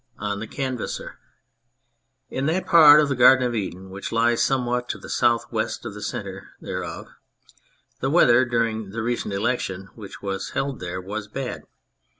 103 THE CANVASSER IN that part of the Garden of Eden which lies somewhat to the south west of the centre thereof the weather, during the recent election which was held there, was bad.